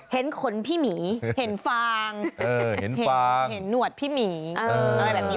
ขนพี่หมีเห็นฟางเห็นหนวดพี่หมีอะไรแบบนี้